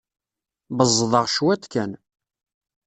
Beẓẓḍeɣ cwiṭ kan.